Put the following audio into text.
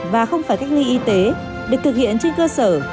và không phải cách ly y tế được thực hiện trên cơ sở